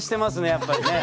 やっぱりね。